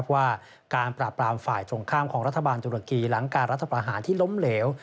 ว่าการปราบปรามฝ่ายตรงข้ามของรัฐบาลตุรกีหลังการรัฐประหารที่ล้มเหลว